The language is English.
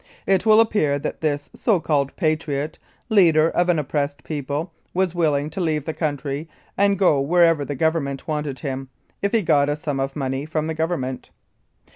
It will appear that this so called patriot, leader of an oppressed people, was willing to leave the country and go wherever the Govern ment wanted him, if .he got a sum of money from the Government.